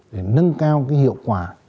để nâng cao hiệu quả